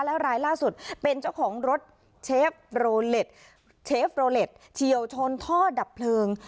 แล้วรายล่าสุดเป็นเจ้าของรถเชฟโรเล็ตเชฟโรเล็ตเฉียวชนท่อดับเพลิง